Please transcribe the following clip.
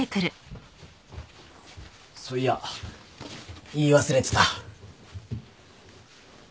そういや言い忘れてた。